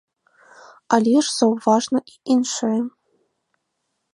Але ж заўважна і іншае.